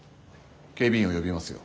警備員を呼びますよ。